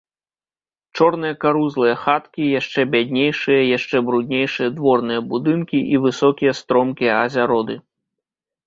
Чорныя карузлыя хаткі, яшчэ бяднейшыя, яшчэ бруднейшыя дворныя будынкі і высокія стромкія азяроды.